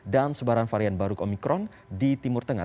dan sebaran varian baru omikron di timur tengah